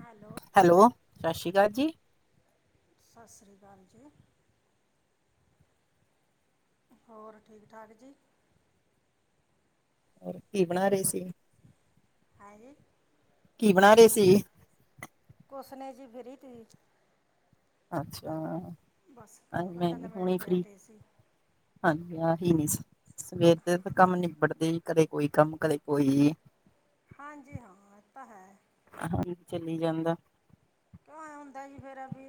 Hello. Hello, ਸਸ਼੍ਰੀ ਕਾਲ ਜੀ। ਸਸ੍ਰੀ ਕਾਲ ਜੀ। ਹੋਰ, ਠੀਕ-ਠਾਕ ਜੀ। ਹੋਰ ਕੀ ਬਨਾ ਰਏ ਸੀ? ਹਾਏ ਰੇ! ਕੀ ਬਨਾ ਰਏ ਸੀ? ਕੁਸ ਨਈ ਜੀ ਬ੍ਰੀ ਥੀ। ਅੱਛਾ। ਬਸ ਕੰਮ ਮੈਂ ਧੰਦਾ ਵੀ ਨਿਬੇੜ ਹੁਣੇ ਕੇ ਫ੍ਰੀ ਹਟੇ ਸੀ। ਹਾਂਜੀ, ਆਹੀ ਨਈ ਸੀ। ਸਵੇਰ ਦੇ ਤਾਂ ਕੰਮ ਨਿਬੜਦੇ ਈ, ਕਦੇ ਕੋਈ ਕੰਮ, ਕਦੇ ਕੋਈ। ਹਾਂਜੀ ਹਾਂ, ਏ ਤਾਂ ਹੈ। ਹਾਂਜੀ, ਚਲੀ ਜਾਂਦਾ। ਕਿਉਂ ਐਂ ਹੁੰਦਾ ਜੀ? ਫੇਰ ਵੀ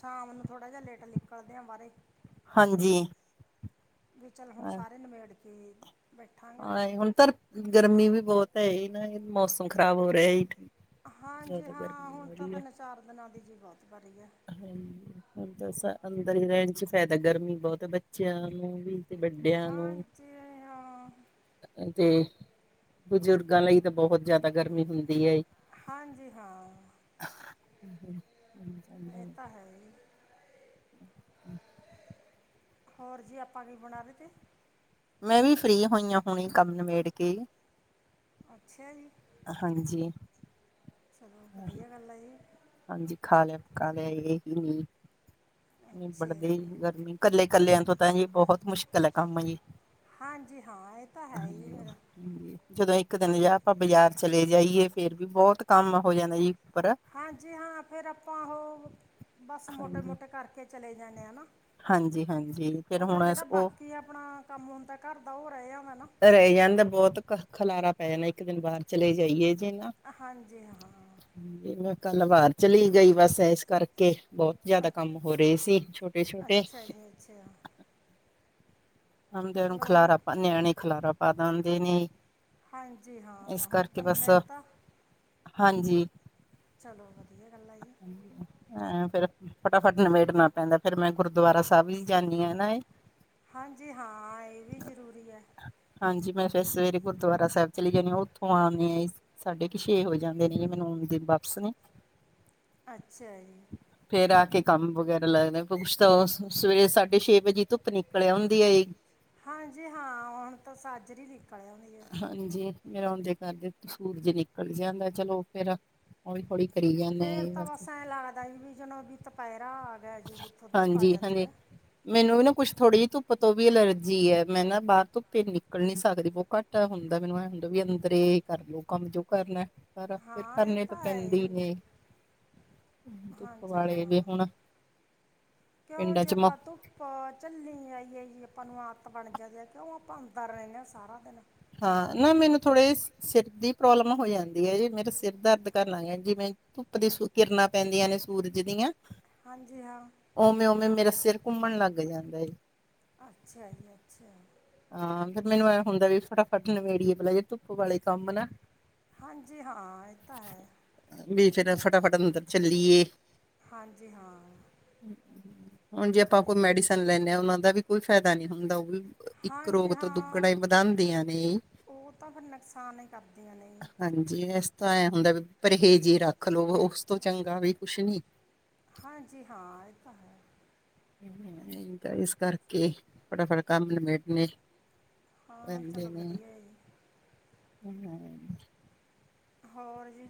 ਸ਼ਾਮ ਨੂੰ ਥੋੜਾ ਜੇਆ ਲੇਟ ਨਿਕਲਦੇ ਆ ਬਾਹਰੇ। ਹਾਂਜੀ। ਵੀ ਚੱਲ ਹੁਨ ਸਾਰੇ ਨਿਬੇੜ ਕੇ ਈ ਆਏ, ਹੁਨ ਤਰਫ ਗਰਮੀ ਵੀ ਬਹੁਤ ਹੈ ਈ ਨਾ, ਮੌਸਮ ਖ਼ਰਾਬ ਹੋ ਰੇਆ ਇਕ। ਹਾਂਜੀ, ਹਾਂ, ਹੁਨ ਤਾਂ ਤਿੰਨ-ਚਾਰ ਦਿਨਾਂ ਦੀ ਜੀ, ਬੋਤ ਭਾਰੀ ਐ। ਹਾਂਜੀ, ਹੁਨ ਤਾਂ ਸਾ ਅੰਦਰ ਈ ਰਹਿਣ 'ਚ ਫਾਇਦਾ, ਗਰਮੀ ਬੋਤ ਐ ਬਈ। ਬੱਚਿਆਂ ਨੂੰ ਵੀ ਤੇ ਵੱਡਿਆਂ ਨੂੰ ਹਾਂਜੀ ਹਾਂ 'ਤੇ, ਬਜ਼ੁਰਗਾਂ ਲਈ ਤਾਂ ਬਹੁਤ ਜਾਦਾ ਗਰਮੀ ਹੁੰਦੀ ਏ। ਹਾਂਜੀ, ਹਾਂ। ਆਹਾ, ਹੂੰ। [unintelligible] ਏਅ ਤਾਂ ਹੈ ਈ। ਹੋਰ ਜੀ, ਆਪਾਂ ਕੀ ਬਨਾ ਰੇ ਤੇ? ਮੈਂ ਵੀ ਫ੍ਰਰੀ ਹੋਈ ਆ ਹੁਨੇ, ਕੰਮ ਨਿਬੇੜ ਕੇ। ਅੱਛਾ ਜੀ ਹਾਂਜੀ ਚਲੋ ਵਧੀਆ ਗੱਲ ਏ ਇਹ ਹਾਂਜੀ ਖਾ ਲਿਆ ਪਕਾ ਲਿਆ ਇਹ ਹੀ ਨੀ ਅੱਛਾ ਜੀ ਵੜਦੇ ਗਰਮੀ ਇਕੱਲੇ ਕੱਲਿਆਂ ਤੋਂ ਤਾਂ ਜੀ ਬਹੁਤ ਮੁਸ਼ਕਿਲ ਹੈ ਕੰਮ ਜੀ ਜੀ ਹਾਂ ਇਹ ਤਾਂ ਹੈ ਈ ਹਾਂਜੀ ਫੇਰ ਜਦੋਂ ਇੱਕ ਦਿਨ ਜੇ ਆਪਾਂ ਬਾਜ਼ਾਰ ਚਲੇ ਜਾਈਏ ਫੇਰ ਵੀ ਬਹੁਤ ਕੰਮ ਹੋ ਜਾਂਦਾ ਜੀ ਉੱਪਰ ਹਾਂਜੀ ਹਾਂ ਫਿਰ ਆਪਾਂ ਉਹ ਬੱਸ ਮੋਟੇ ਹਾਂਜੀ ਮੋਟੇ ਕਰਕੇ ਚਲੇ ਜਾਂਨੇ ਆ ਨਾ ਹਾਂਜੀ ਹਾਂਜੀ ਉਹ ਫੇਰ ਹੁਣ ਜਿਹੜਾ ਉਹ ਬਾਕੀ ਆਪਣਾ ਕੰਮ ਹੁੰਦਾ ਘਰ ਦਾ ਉਹ ਰਹਿ ਜਾਂਦਾ ਨਾ ਰਹਿ ਜਾਂਦਾ ਬਹੁਤ ਖਲਾਰਾ ਪੈ ਜਾਣਾ ਇੱਕ ਦਿਨ ਬਾਹਰ ਚਲੇ ਜਾਈਏ ਹਾਂਜੀ ਹਾਂ ਹ ਮੈਂ ਕੱਲ ਬਾਹਰ ਚਲੀ ਗਈ ਬਸ ਇਸ ਕਰਕੇ ਬਹੁਤ ਜ਼ਿਆਦਾ ਅੱ ਕੰਮ ਹੋ ਰਹੇ ਸੀ ਛੋਟੇ ਛੋਟੇ ਅੱਛਾ ਜੀ ਅੱਛਾ ਆਉਂਦੇਆ ਨੂੰ ਚਲੋ ਹੁਣ ਖਲਾਰਾ ਪਾ ਨਿਆਣੇ ਖਲਾਰਾ ਪਾ ਦਿੰਦੇ ਨੇ ਹਾਂਜੀ ਇਸ ਹਾਂ ਹੁਣ ਕਰਕੇ ਤਾਂ ਬਸ ਨਬੇੜ ਤਾ ਹਾਂਜੀ ਚਲੋ ਵਧੀਆ ਗੱਲ ਆ ਜੀ ਏਂ ਫੇਰ ਫਟਾਫਟ ਨਿਬੇੜਨਾ ਪੈਂਦਾ ਫੇਰ ਮੈਂ ਗੁਰਦੁਆਰਾ ਸਾਹਿਬ ਤਾਂ ਵੀ ਜਾਨੀ ਆ ਨਾ ਇਹ ਹਾਂਜੀ ਹਾਂ ਇਹ ਵੀ ਜ਼ਰੂਰੀ ਹੈ ਹਾਂਜੀ ਮੈਂ ਫਿਰ ਸਵੇਰੇ ਗੁਰਦੁਆਰਾ ਸਾਹਿਬ ਚਲੀ ਜਾਂਨੀ ਆ ਉੱਥੋਂ ਆਨਿਸ ਸਾਡੇ ਕਿ ਛੇ ਹੋ ਜਾਂਦੇ ਨੇ ਜੀ ਮੈਨੂੰ ਆਂਦੇ ਨੂੰ ਵਾਪਸ ਨੂੰ ਅੱਛਾ ਜੀ ਫੇਰ ਆ ਕੇ ਕੰਮ ਵਗੈਰਾ ਲੱਗਦਾ ਪੁ ਕੁਛ ਤਾਂ ਸਵੇਰੇ ਸਾਢੇ ਛੇ ਵਜੇ ਧੁੱਪ ਨਿਕਲ ਆਉਦੀ ਹੈ ਜੀ ਹਾਂਜੀ ਹਾਂ ਹੁਣ ਤਾਂ ਸਾਜਰੀ ਹੀ ਨਿਕਲ ਆਉਂਦੀ ਹੈ ਹਾਂਜੀ ਫੇਰ ਆਉਂਦੇ ਕਰਦੇ ਨੂੰ ਸੂਰਜ ਨਿਕਲ ਜਾਂਦਾ ਚਲੋ ਫੇਰ ਹੌਲੀ ਹੌਲੀ ਕਰੀ ਜਾਂਦੇ ਆ ਫੇਰ ਜੀ ਤਾਂ ਬਸ ਬੱਸ ਐ ਲੱਗਦਾ ਜੀ ਵੀ ਚਲੋ ਦੁਪਹਿਰਾ ਆ ਗਿਆ ਜੀ ਜਿੱਥੋਂ ਧੁੱਪ ਆ ਹਾਂਜੀ ਜਾਂਦੀ ਹਾਂਜੀ ਹੈ ਮੈਨੂੰ ਵੀ ਨਾ ਕੁੱਛ ਥੋੜੀ ਜਿਹੀ ਧੁੱਪ ਤੋਂ ਵੀ ਅਲਰਜੀ ਹੈ ਮੈਂ ਨਾ ਬਾਹਰ ਧੁੱਪੇ ਨਿਕਲ ਨੀ ਸਕਦੀ ਬਹੁਤ ਘੱਟ ਘੱਟ ਹੁੰਦਾ ਮੈਨੂੰ ਐ ਹੁੰਦਾ ਵੀ ਅੰਦਰ ਕਰਲੋ ਕੰਮ ਜੋ ਕਰਨਾ ਪਰ ਫਿਰ ਹਾਂ ਇਹ ਕਰਨੇ ਤੇ ਤਾਂ ਹੈ ਪੈਂਦੇ ਹੀ ਜੀ ਨੇ ਧੁੱਪ ਹਾਂਜੀ ਵਾਲੇ ਹਾਂ ਵੀ ਹੁਣ ਕਿਉਂ ਪਿੰਡਾਂ ਜੇ ਚ ਮ ਆਪਾਂ ਧੁੱਪ ਝੱਲੀ ਨਹੀਂ ਹੈਗੀ ਜੀ ਆਪਾਂ ਨੂੰ ਆਦਤ ਬਣ ਜਾਦੇ ਕਿਉਂ ਆਪਾਂ ਅੰਦਰ ਰਹਿੰਦੇ ਹਾਂ ਸਾਰਾ ਦਿਨ ਹਾਂ ਨਾ ਮੈਨੂੰ ਥੋੜ੍ਹੇ ਸਿਰ ਦੀ ਪ੍ਰੋਬਲਮ ਹੋ ਜਾਂਦੀ ਹੈ ਜੇ ਮੇਰਾ ਸਿਰ ਦਰਦ ਕਰਨ ਲੱਗ ਜਾਂ ਜਿਵੇਂ ਧੁੱਪ ਦੀ ਕਿਰਨਾਂ ਪੈਂਦੀਆਂ ਨੇ ਸੂਰਜ ਦੀਆਂ ਹਾਂਜੀ ਹਾਂ ਉਵੇਂ ਉਵੇਂ ਮੇਰਾ ਸਿਰ ਘੁੰਮਣ ਲੱਗ ਜਾਂਦਾ ਏ ਜੀ ਅੱਛਾ ਜੀ ਅੱਛਾ ਹਾਂ ਫਿਰ ਮੈਨੂੰ ਇਹ ਹੁੰਦਾ ਫਟਾਫਟ ਨਵੇੜੀਏ ਪਹਿਲਾ ਜਿਹੇ ਧੁੱਪ ਵਾਲੇ ਕੰਮ ਨਾ ਹਾਂਜੀ ਹਾਂ ਇਹ ਤਾਂ ਹੈ ਵੀ ਚਲੋ ਫਟਾਫਟ ਅੰਦਰ ਚੱਲੀਏ ਹਾਂਜੀ ਹਾਂ ਹੁਣ ਜੇ ਆਪਾਂ ਕੋਈ ਮੈਡੀਸਨ ਲੈਂਦੇ ਹਾਂ ਉਹਨਾਂ ਦਾ ਵੀ ਕੋਈ ਫਾਇਦਾ ਨਹੀਂ ਹੁੰਦਾ ਉਹ ਵੀ ਇੱਕ ਹਾਂਜੀ ਰੋਗ ਤੋਂ ਦੁੱਗਣਾ ਹਾਂ ਹੀ ਵਧਾਉਂਦੀਆਂ ਨੇ ਉਹ ਤਾਂ ਫਿਰ ਨੁਕਸਾਨ ਹੀ ਕਰਦੀਆਂ ਨੇ ਜੀ। ਹਾਂਜੀ ਤਾਂ ਐਂ ਹੁੰਦਾ ਵੀ ਪਰਹੇਜ਼ ਹੀ ਰੱਖ ਲੋਓ, ਉਸ ਤੋਂ ਚੰਗਾ ਵੀ ਕੁਛ ਨੀ ਹਾਂਜੀ ਹਾਂ ਇਹ ਤਾਂ ਹੈ ਤਾਂ ਇਸ ਕਰਕੇ ਫਟਾਫਟ ਕੰਮ ਨ ਲਮੇਟ ਨੇ ਹਾਂ ਪੈਂਦੇ ਚਲੋ ਨੇ, ਵਧੀਆ ਜੀ ਏ ਤਾਂ ਹੈ ਹੋਰ ਜੀ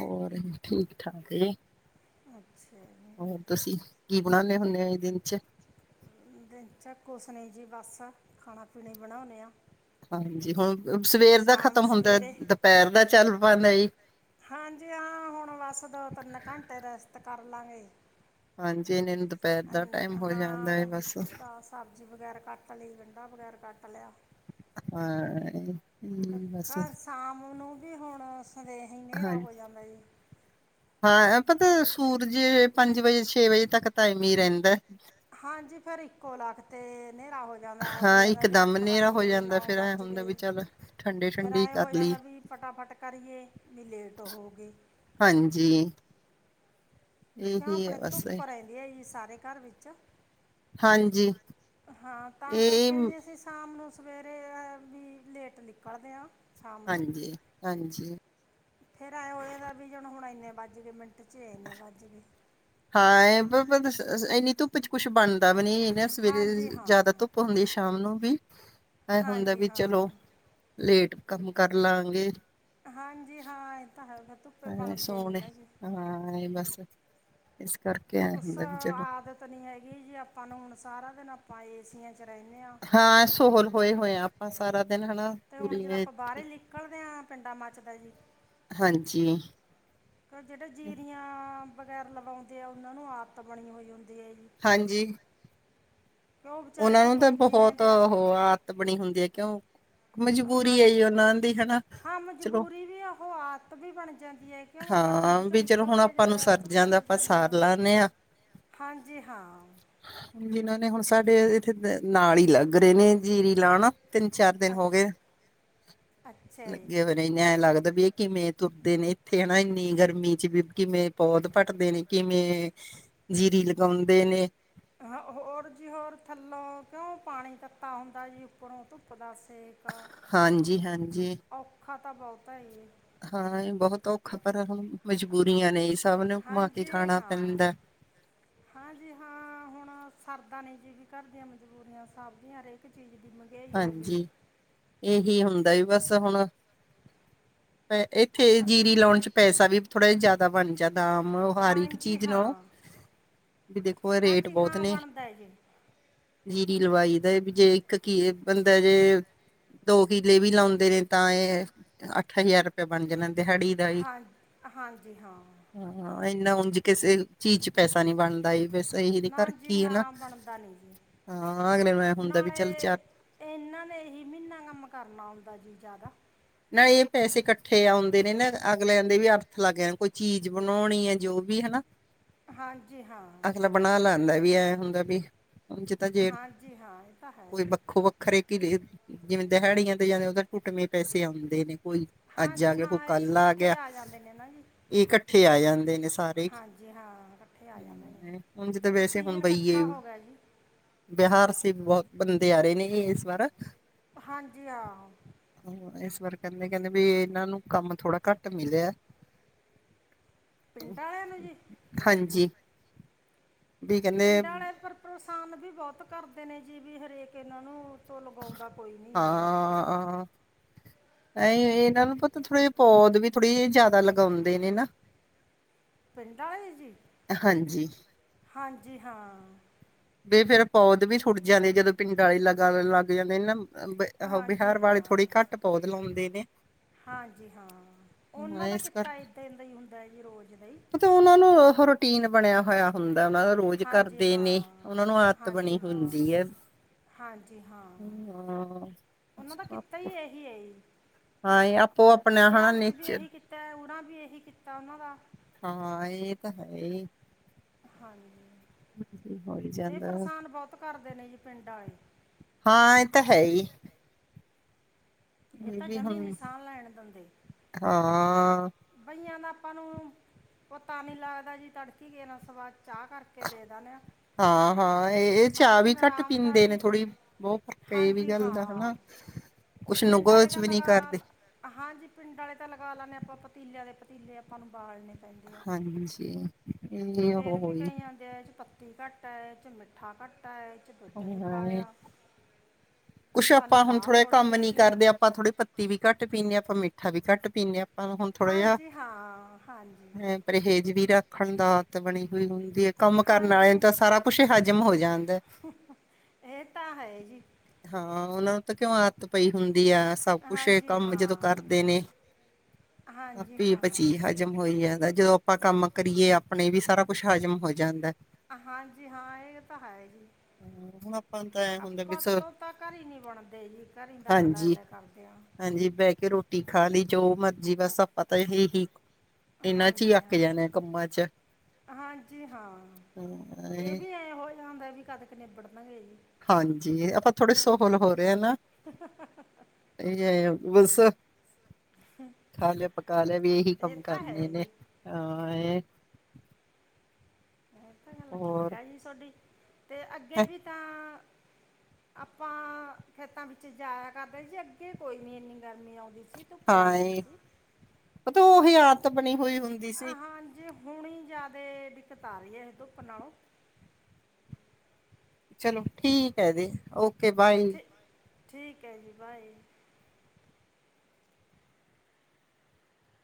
ਹੋਰ ਠੀਕ ਠਾਕ‌ ਏ ਅੱਛਾ ਹੋਰ ਤੁਸੀਂ ਕੀ ਬਣਾਉਨੇ ਹੁੰਨੇ ਹੋ ਇਨਦੇ ਚ ਦਿਨ ਚ ਕੁਛ‌ ਨਹੀਂ ਜੀ ਬਸ, ਖਾਣਾ ਖੁਣਾ ਈ ਬਣਾਉਣੇ ਆਂ ਹਾਂਜੀ ਹੁਣ ਸਵੇਰ ਦਾ ਖਤਮ ਹੁੰਦਾ ਸਵੇਰੇ ਦੁਪਹਿਰ ਦਾ ਚੱਲ ਪਾਉਂਦਾ ਹਾਂਜੀ ਹਾਂ, ਹੁਣ ਬਸ ਦੋ ਤਿੰਨ ਘੰਟੇ ਰੈਸਟ ਕਰ ਲਾਂਗੇ ਹਾਂਜੀੇ ਨੀਂਦ ਹਾਂ ਦਾ ਸਬਜ਼ੀ ਵਗੈਰਾ ਕੱਟ ਲਈ ਗੰਢਾ ਵਗੈਰਾ ਕੱਟ ਲਿਆ ਹਾਂ ਹਾਂ ਸ਼ਾਮ ਨੂੰ ਵੀ ਹੁਣ ਸੁਦੇਹੇ ਹਨੇਰਾ ਹਾਂਜੀ ਹੋ ਜਾਂਦਾ ਜੀ ਹਾਂ ਪਤਾ ਸੂਰਜ ਪੰਜ ਵਜੇ ਛੇ ਵਜੇ ਤੱਕ ਤਾਂ ਐਵੇਂ ਹੀ ਰਹਿੰਦਾ ਹਾਂਜੀ ਫਿਰ ਇੱਕੋ ਲੱਗ ਤੇ ਹਨੇਰਾ ਹੋ‌ ਜਾਂਦਾਏ ਹੋ ਹਾਂ ਜਾਂਦਾ ਵੀ ਇੱਕਦਮ ਅੱਠ ਹਨੇਰਾ ਵੱਜ ਹੋ ਗਏ ਜਾਂਦਾ ਨੌ ਫਿਰ ਐ ਵੱਜ ਹੁੰਦਾ ਗਏ, ਵੀ ਚੱਲ ਠੰਡੇ ਫੇਰ ਠੰਡੀ ਐਂ ਕਰ ਹੋ ਲਈ ਜਾਂਦਾ ਵੀ ਫਟਾਫਟ ਕਰੀਏ ਵੀ ਲੇਟ ਹੋ ਗਏ ਹਾਂਜੀ ਕਿਉਂ ਇਹੀ ਹੈ ਆਪਣੇ ਬਸ ਧੁੱਪ ਰਹਿੰਦੀ ਹੈ ਜੀ, ਸਾਰੇ ਘਰ ਵਿੱਚ ਹਾਂਜੀ ਹਾਂ, ਤਾਂ ਇਹ ਕਰਕੇ ਜੇ ਅਸੀਂ ਸ਼ਾਮ ਨੂੰ ਸਵੇਰੇ ਵੀ ਲੇਟ ਨਿਕਲਦੇ ਆਂ, ਹਾਂ ਨੂੰ ਹਾਂਜੀ ਹਾਂਜੀ ਫਿਰ ਐ ਹੋ ਜਾਂਦਾ ਵੀ ਹੁਣ ਇੰਨੇ ਵੱਜ ਗਏ ਮਿੰਟ ਚ ਇੰਨੇ ਵੱਜ ਗਏ ਹਾਂ ਇੰਨੀ ਧੁੱਪ ਚ ਕੁੱਛ ਬਣਦਾ ਵੀ ਨੀ ਇਹ ਸਵੇਰੇ, ਹਾਂਜੀ ਹਾਂ ਜ਼ਿਆਦਾ ਧੁੱਪ ਹੁੰਣੀ, ਸ਼ਾਮ ਨੂੰ ਵੀ ਇਹ ਹੁੰਦਾ ਹਾਂਜੀ ਵੀ ਚਲੋ, ਹਾਂ ਲੇਟ ਕੰਮ ਕਰ ਲਾਂਗੇ ਹਾਂਜੀ ਹਾਂ ਇਹ ਤਾਂ ਹੈ, ਫਿਰ ਧੁੱਪੇ ਐਵੇਂ ਬਣਦੇ ਨੀ ਸੋਹਣੇ ਨਾ ਜੀ ਹਾਂ ਬਸ ਇਸ ਕਰਕੇ ਆ ਹੁੰਦਾ ਵੀ ਚਲੋ ਨ ਹੈਗੀ ਜੀ ਆਪਾਂ ਨੂੰ, ਹੁਣ ਸਾਰਾ ਦਿਨ ਆਪਾਂ ਏਸੀਆਂ ਚ ਰਹਿੰਨੇ ਆਂ ਹਾਂ ਸੋਹਲ ਹੋਏ ਹੋਏ ਹ ਆਪਾਂ ਸਾਰਾ ਦਿਨ ਹੈਨਾ ਤੇ ਹੁਣ ਜਦ ਆਪਾਂ ਬਾਹਰ ਨਿਕਲਦੇ ਹਾਂ, ਪਿੰਡਾਂ ਮਚਦਾ ਜੀ ਹਾਂਜੀ ਜਿਹੜੇ ਜੀਰੀਆਂ ਵਗੈਰਾ ਲਵਾਉਂਦੇ ਆ, ਉਹਨਾਂ ਨੂੰ ਆਦਤ ਬਣੀ ਹੋਈ ਹੁੰਦੀ ਹੈ ਜੀ ਹਾਂਜੀ ਕਿ ਉਹ ਵਿਚਾਰੇ ਉਹਨਾਂ ਨੂੰ ਧੁੱਪ ਤਾਂ ਵਿੱਚ ਹੀ ਬਹੁਤ ਰਹਿੰਦੇ ਆ ਉਹ ਆਦਤ ਬਣੀ ਹੁੰਦੀ ਹੈ ਕਿਉਂ ਮਜਬੂਰੀ ਹੈ ਜੀ ਹਾਂਜੀ, ਉਹਨਾਂ ਦੀ ਹਨਾ ਹਾਂ ਚਲੋ ਮਜਬੂਰੀ ਵੀ ਐ, ਉਹ ਆਦਤ ਵੀ ਬਣ ਜਾਂਦੀ ਹੈ ਕਿਉਂ ਆਪਾਂ ਠੰਡ ਹਾਂ ਚੋਂ ਵੀ ਚਲੋ ਨਿਕਲ ਹੁਣ ਕੇ ਆਪਾਂ ਨੂੰ ਜਦੋਂ ਸਰ ਧੁੱਪ ਜਾਂਦਾ ਚ ਆਪਾਂ ਜਾਂਨੇ ਸਾਰ ਆਂ ਲਾਨੇ ਆ ਹਾਂਜੀ ਹਾਂ ਹ ਜਿਨਾਂ ਨੇ ਹੁਣ ਸਾਡੇ ਇੱਥੇ ਨਾਲ ਹੀ ਲੱਗ ਰਹੇ ਨੇ ਜੀਰੀ ਲਾਣਾ, ਤਿੰਨ ਚਾਰ ਦਿਨ ਹੋ ਅੱ- ਗਏ ਅੱਛਾ ਜੀ ਲੱਗੇ ਹੋਏ ਐਂ ਲੱਗਦਾ ਵੀ ਇਹ ਕਿਵੇਂ ਤੁਰਦੇ ਨੇ, ਇੱਥੇ ਹੈਨਾ ਇੰਨੀ ਗਰਮੀ ਚ ਵੀ ਕਿਵੇਂ ਪੌਦ ਭਟਦੇ ਨੇਂ, ਕਿਵੇਂ ਜੀਰੀ ਲਗਾਉਂਦੇ ਨੇ। ਹ ਹੋਰ ਜੀ ਹੋਰ ਥੱਲੋਂ ਕਿਉਂ ਪਾਣੀ ਕੱਤਾ ਹੁੰਦਾ ਜੀ, ਉੱਪਰੋਂ ਧੁੱਪ ਦਾ ਸੇਕ। ਖਾ ਹਾਂਜੀ ਹਾਂਜੀ ਔਖਾ ਤਾਂ ਬੋਤਾ ਈ ਏ। ਹਾਂ, ਏ ਬਹੁਤ ਔਖਾ ਪਰ ਹੁਣ ਮਜਬੂਰੀਆਂ ਨੇ ਸਭ ਨੂੰ ਘਮਾ ਕੇ ਹਾਂਜੀ ਖਾਣਾ ਹਾਂ ਪੈਂਦਾ। ਹਾਂਜੀ ਹਾਂ, ਹੁਣ ਸਰਦਾ ਨਈ ਜੀ ਵੀ ਘਰ ਦੀਆਂ ਮਜਬੂਰੀਆਂ, ਸਬਜ਼ੀਆਂ ਹਰੇਕ ਚੀਜ਼ ਦੀ ਮ ਹਾਂਜੀ ਏਹੀ ਹੁੰਦਾ ਵੀ ਬਸ ਹੁਣ ਇੱਥੇ ਜੀਰੀ ਲਾਉਣ ਚ ਪੈਸਾ ਵੀ ਥੋੜ੍ਹਾ ਜਿਆ ਜਿਆਦਾ ਬਣ ਜਾ ਦਾਮ ਹਰ ਇੱਕ ਹਾਂਜੀ ਚੀਜ਼ ਨੂੰ ਹਾਂ ਵੀ ਦੇਖੋ ਏ ਰੇਟ ਹਾਂਜੀ ਬੋਤ ਹਾਂ ਨੇ, ਬਣਦਾ ਹੈ ਜੀ ਜੀਰੀ ਲਵਾਈ ਦਾ ਵੀ ਜੇ ਇੱਕ ਕੀ ਏ ਬੰਦਾ ਜੇ ਦੋ ਕਿਲੇ ਵੀ ਲਾਉਂਦੇ ਨੇ ਤਾਂ ਏ ਅੱਠ ਹਜ਼ਾਰ ਰਪਿਆ ਬਣ ਜਾਣਾ ਦਿਹਾੜੀ ਦਾ ਹੀ ਹਾਂ, ਹਾਂਜੀ ਹਾਂ। ਹਾਂ, ਇੰਨਾ ਉਂਝ ਕਿਸੇ ਚੀਜ਼ ਚ ਪੈਸਾ ਨੀਂ ਬਣਦਾ ਜੀ। ਬਸ ਇਹੀ ਦੀ ਕਰ ਨਾ ਜੀ ਕੀ ਹਨਾਂ! ਨਾ ਬਣਦਾ ਨਹੀਂ ਜੀ ਹਾਂ, ਅਗਲੇ ਨੂੰ ਏਂ ਹੁੰਦਾ ਵੀ ਚੱਲ ਚਾ ਇਨ੍ਹਾਂ ਨੇ ਏਹੀ ਮੀਨਾਂ ਕੰਮ ਕਰਨਾ ਹੁੰਦਾ ਜੀ ਜ਼ਿਆਦਾ। ਨਾ ਏ ਪੈਸੇ ਕੱਠੇ ਆਉਂਦੇ ਨੇ ਨਾਂ, ਅਗਲੇ ਆਂਦੇ ਵੀ ਅਰਥ ਲੱਗ ਜਾ ਕੋਈ ਚੀਜ਼ ਬਣਾਉਣੀ ਏ ਜੋ ਵੀ, ਹਨਾਂ। ਹਾਂਜੀ ਹਾਂ। ਬਣਾ ਲੈਂਦਾ ਵੀ ਐਂ ਹੁੰਦਾ ਵੀ, ਜਿਦਾਂ ਜੇ, ਹਾਂਜੀ ਹਾਂ ਇਹ ਤਾਂ ਹੈ ਕੋਈ ਜੀ। ਵੱਖੋ-ਵੱਖ ਖਰੇਕੀ ਲੀ, ਜਿਵੇਂ ਦਿਹਾੜੀਆਂ ਤੇ ਜਾਂਦੇ ਓ ਤਾਂ ਟੁੱਟਮੇਂ ਪੈ ਜ ਆਉਂਦੇ ਨੀਂ ਕੋਈ ਅੱਜ ਆ ਹਾਂਜੀ ਗਿਆ, ਕੋਈ ਹਾਂ ਇਹ ਕਲ ਆ ਇਕੱਠੇ ਗਿਆ। ਜਾਂਦੇ ਨੇ ਨਾ ਜੀ ਇਕੱਠੇ ਆ ਜਾਂਦੇ ਨੇ ਸਾਰ ਵੇਖ, ਹਾਂਜੀ ਹਾਂ ਇਕੱਠੇ ਆ ਜਾਂਦੇ ਨੇ ਉਂਝ ਤੇ ਵੈਸੇ ਸੀਜ਼ਨ ਹੁੰਦਾ ਈ ਏ। ਇਕੱਠਾ ਹੋ ਗਿਆ ਜੀ ਬਿਹਾਰ ਸੇ ਵ ਬੋਤ ਬੰਦੇ ਆ ਰਹੇ ਨੇਂ ਇਸ ਵਾਰ ਹਾਂਜੀ ਹਾ। ਹਂ। ਇਸ ਵਾਰ ਕੈਂਦੇ, ਕੈਂਦੇ ਵੀ ਇਨ੍ਹਾਂ ਨੂੰ ਕੰਮ ਥੋੜਾ ਘੱਟ ਮਿਲਿਆ। ਪਿੰਡਾਂ ਆਲਿਆਂ ਨੂੰ ਜੀ। ਹਾਂਜੀ। ਵੀ ਕਹਿੰਦੇ ਪਿੰਡਾਂ ਆਲੇ ਪਰ ਪ੍ਰਸ਼ਾਨ ਵੀ ਬੋਤ ਕਰਦੇ ਨੇ ਜੀ ਵੀ ਹਰੇਕ ਇਨ੍ਹਾਂ ਨੂੰ। ਤੋਂ ਲਗਾਉਂਦਾ ਕੋਈ ਨੀਂ ਹੈਗਾ। ਆਂ। ਐ ਇਨ੍ਹਾਂ ਨੂੰ ਪਤਾ ਥੋੜ੍ਹੇ ਪੌਦ ਵੀ ਥੋੜ੍ਹੀ ਜੀ ਜ਼ਿਆਦਾ ਲਗਾਉਂਦੇ ਨੇ ਨਾ। ਪਿੰਡ ਆਲੇ ਜੀ। ਹਾਂਜੀ। ਹਾਂਜੀ ਹਾਂ। ਵੀ ਫੇਰ ਪੌਦ ਵੀ ਫੁੱਟ ਜਾਂਦੇ ਜਦੋਂ ਪਿੰਡਾਂ ਆਲੇ ਲਗਾ ਣੇ ਲੱਗ ਜਾਂਦੇ ਨਾਂ। ਅ ਬ ਆਹੋ ਹਾਂਜੀ ਬਿਹਾਰ ਵਾਲੇ ਥੋੜੇ ਹਾਂ ਘੱਟ ਪੌਧ ਲਾਉਂਦੇ ਨੇ। ਹਾਂਜੀ ਹਾਂ। ਓਨਾਂ ਹਾਂ, ਦਾ ਇਸ ਕਿੱਤਾ ਏਦਾਂ ਇੱਦਾਂ ਈ ਹੁੰਦਾ ਜੀ ਰੋਜ਼ ਦਾ ਈ। ਤੇ ਓਨਾਂ ਨੂੰ ਓਹ ਰੂਟੀਨ ਬਣਿਆ ਹੋਇਆ ਹੁੰਦਾ ਓਨਾਂ ਦਾ। ਰੋਜ਼ ਹਾਂਜੀ ਕਰਦੇ ਨੇ, ਹਾਂ ਉਹਨਾਂ ਨੂੰ ਆਦਤ ਹਾਂਜੀ ਬਣੀ ਹਾਂ ਹੁੰਦੀ ਐ। ਹਾਂਜੀ ਹਾਂ। ਓਨਾਂ ਦਾ ਕਿੱਤਾ ਐਹੀ ਐ ਈ। ਹਾਂ ਏ ਆਪੋ-ਆਪਣਾ ਹਾਂ ਵੀ ਨਿੱਚ ਇਹੀ ਕੀਤਾ ਓਨਾਂ ਵੀ ਏਹੀ ਕੀਤਾ ਓਨਾਂ ਦਾ। ਹਾਂ ਏ ਤਾਂ ਹੈ ਈ ਐ। ਹਾਂਜੀ ਹੋਈ ਤੇ ਏ ਜਾਂਦਾ ਪਰਸਾਨ ਬਹੁਤ ਕਰਦੇ ਨੇ ਜੀ ਪਿੰਡ ਆਲ਼ੇ ਹਾਂ ਇਹ ਤਾਂ ਹੈਂ ਈ ਇਹ ਤਾਂ ਵੀ ਜਮੀ ਹੁਣ ਨੀ ਸਾਹ ਲੈਣ ਦਿੰਦੇਂ। ਹਾਂ। ਕਈਆਂ ਦਾ ਆਪਾਂ ਨੂੰ ਪਤਾ ਨੀ ਲੱਗਦਾ ਜੀ, ਤੜਕੇ ਕੇਨਾ ਸਵਾਦ ਚਾਹ ਕਰ ਕੇ ਦੇ ਦੇਨੇ ਆ। ਹਾਂ- ਹਾਂ ਏ ਇਹ ਚਾਹ ਵੀ ਘੱਟ ਪੀਂਦੇ ਨੇ ਆਰਾਮਦਾਰੀ ਥੋੜੀ, ਬਹੁਤ ਫਰਕ ਏ ਵੀ ਹਾਂਜੀ ਗੱਲ ਦਾ ਹਾਂ ਹਨਾ ਕੁਛ ਪਿੰਡ ਆਲੇ ਨੁਗਚ ਤਾ ਵੀ ਨਹੀਂ ਲਗਾਲ ਕਰਦੇ ਹਾਂਜੀ ਪਿੰਡ ਆਲੇ ਤਾਂ ਲਗਾ ਲੇਨੇ ਆ, ਆਪਾਂ ਪਤੀਲਿਆਂ ਦੇ ਪਤੀਲੇ ਆਪਾਂ ਨੂੰ ਬਾਲਣੇ ਪੈਂਦੇ ਆ, ਹਾਂਜੀ ਇਹ ਉਹ ਫੇਰ ਵੀ ਹੋਈ ਕਈਆਂ ਇਹਦੇ ਚ ਪੱਤੀ ਘੱਟ ਐ, ਇਹਦੇ 'ਚ ਮਿੱਠਾ ਘੱਟ ਐ ਇਹਦੇ 'ਚ ਦੁੱਧ ਨੀ ਪਾਇਆ। ਕੁੱਛ ਸਾਨੂੰ ਆਪਾਂ ਹੁਣ ਚਾਹ ਥੋੜਾਂ ਥੋੜੀ ਕੰਮ ਰਹਿ ਨੀਂ ਗਈ ਕਰਦੇ, ਆਪਾਂ ਥੋੜੀ ਪੱਤੀ ਵੀ ਘੱਟ ਪੀਂਨੇ ਆ, ਆਪਾਂ ਮਿੱਠਾ ਵੀ ਘੱਟ ਪੀਂਨੇ ਆ। ਹਾਂਜੀ ਹਾਂ ਹਾਂਜੀ। ਹੈ ਪਰਹੇਜ ਵੀ ਰੱਖਣ ਦਾ ਆਤ ਬਣੀ ਹੋਈ ਹੁੰਦੀ ਏਂ, ਕੰਮ ਕਰਨ ਵਾਲੇ ਨੂੰ ਹਾਂਜੀ ਤਾਂ ਸਾਰਾ ਕੁੱਛ ਹਜ਼ਮ ਹੋ ਜਾਂਦਾ। ਇਹ ਤਾਂ ਹੈ ਜੀ। ਹਾਂ ਉਹਨਾਂ ਨੂੰ ਤਾਂ ਕਿਉਂ ਆਤ ਪਈ ਹੁੰਦੀ ਆ ਸਭ ਕੁੱਛ ਏਂ ਹਾਂਜੀ ਕੰਮ ਜਦੋਂ ਹਾਂ ਕਰਦੇ ਨੇ, ਹਾਂਜੀ ਆਪੀ ਹਾਂ ਭਚੀ ਹ ਹਜ਼ਮ ਹੋਈ ਜਾਂਦਾ, ਜਦੋਂ ਆਪਾਂ ਕੰਮ ਕਰੀਏ ਆਪਣੇ ਵੀ ਸਾਰਾ ਕੁੱਛ ਹਜ਼ਮ ਹੋ ਜਾਂਦਾ। ਹਾਂਜੀ ਹਾਂ ਇਹ ਤਾਂ ਹੈ ਜੀ ਹਮ, ਹੁਣ ਆਪਾਂ ਨੂੰ ਤਾਂ ਐ ਹੁੰਦਾ ਵੀ ਆਪਾਂ ਸ- ਤੋਂ ਤਾ ਘਰੇ ਹੀ ਨੀ ਬਣਦੇ ਜੀ, ਘਰ ਈ ਦਮ ਲੈ- ਹਾਂਜੀ ਲੈ ਕਰਦੇ ਆ। ਹਾਂਜੀ ਬਹਿ ਕੇ ਰੋਟੀ ਖਾ ਲਈ, ਜੋ ਮਰਜ਼ੀ ਬਸ ਆਪਾਂ ਤਾਂ ਇਹੀ ਇਹਨਾਂ ਚ ਹੀ ਹਾਂਜੀ ਅੱਕ ਹਾਂ ਜਾਣੇ ਕੰਮਾਂ ਚ ਹਾਂਜੀ ਹਾਂ ਹਾਂ, ਏ ਇਹ- ਵੀ ਐ ਹੋ ਜਾਦਾ ਵੀ ਕਦ ਕ ਨਿਬੜਨਾ ਏ ਜੀ। ਹਾਂਜੀ ਆਪਾਂ ਥੋੜੇ ਸੋਹਲ ਹੋ ਰਹੇ ਆ ਨਾ, ਇਹੀ ਆ ਬਸ ਖਾਲਿਆ ਪਕਾ ਲਿਆ ਵੀ ਇਹੀ ਇਹ ਕੰਮ ਤਾਂ ਹੈ ਕਰਨੇ ਜੀ ਨੇ ਅ ਏ ਇਹ ਤਾਂ ਗੱਲ ਠੀਕ ਹੋਰ ਆ ਜੀ ਸੁਹਾਡੀ, ਤੇ ਅੱਗੇ ਵੀ ਤਾਂ ਆਪਾਂ ਖੇਤਾਂ ਵਿੱਚ ਜਾਇਆ ਕਰਦੇ ਜੀ, ਅੱਗੇ ਕੋਈ ਵੀ ਇੰਨੀ ਗਰਮੀ ਆਉਂਦੀ ਸੀ ਧੁੱਪ ਹਾਂ ਲੱਗਦੀ ਏਂ, ਸੀ ਅ, ਪਤਾ ਉਹੀ ਆਤ ਬਣੀ ਹੋਈ ਹੁੰਦੀ ਸੀ। ਜੀ ਹੁਣ ਈ ਜ਼ਿਆਦੇ ਦਿੱਕਤ ਆ ਰਹੀ ਐ ਇਹ ਧੁੱਪ ਨਾਲੋਂ ਚਲੋ ਠੀਕ ਹੈ ਜੀ ਓਕੇ ਬਾਏ। ਤੇ ਠੀਕ ਹੈ ਜੀ ਬਾਏ।